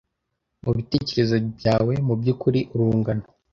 mubitekerezo byawe mubyukuri urungano